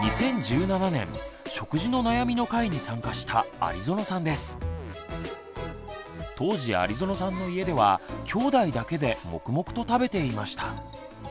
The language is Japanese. ２０１７年「食事の悩み」の回に参加した当時有園さんの家ではきょうだいだけで黙々と食べていました。